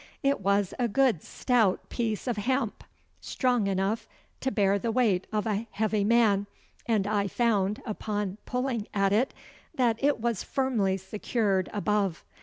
It was a good stout piece of hemp, strong enough to bear the weight of a heavy man, and I found, upon pulling at it, that it was firmly secured above.